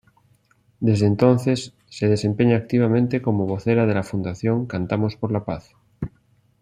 Desde entonces, se desempeña activamente como vocera de la Fundación "Cantamos por la Paz".